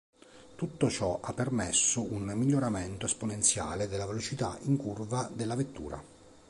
Tutto ciò ha permesso un miglioramento esponenziale della velocità in curva della vettura.